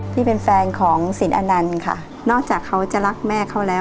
ที่เป็นแฟนของสินอนันต์ค่ะนอกจากเขาจะรักแม่เขาแล้ว